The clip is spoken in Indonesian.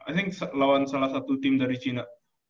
i think lawan salah satu tim dari cina